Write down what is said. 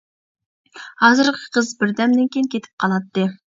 ھازىرقى قىز بىردەمدىن كېيىن كېتىپ قالاتتى.